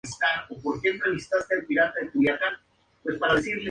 La nominación fue ganada por Joni Ernst, quien ganó las elecciones generales.